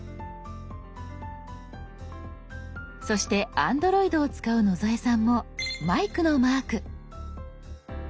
そしてＡｎｄｒｏｉｄを使う野添さんもマイクのマーク。